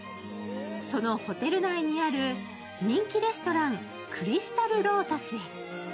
そのホテル内にある人気レストラン、クリスタル・ロータスへ。